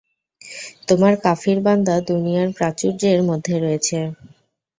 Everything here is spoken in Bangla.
তোমার কাফির বান্দা দুনিয়ার প্রাচুর্যের মধ্যে রয়েছে।